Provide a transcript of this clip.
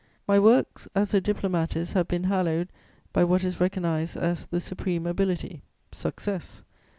My works as a diplomatist have been hallowed by what is recognised as the supreme ability, _success.